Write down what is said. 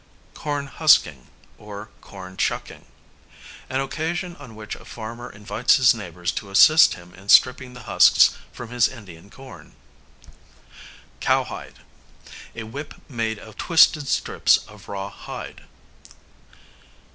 Corn husking, or corn shucking, an occasion on which a farmer invites his neighbours to assist him in stripping the husks from his Indian corn. Cow hide, a whip made of twisted strips of raw hide.